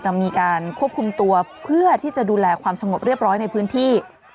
มีการควบคุมตัวเพื่อที่จะดูแลความสงบเรียบร้อยในพื้นที่